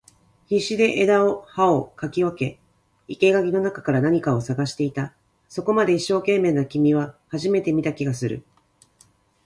必死で枝を葉を掻き分け、生垣の中から何かを探していた。そこまで一生懸命な君は初めて見た気がする。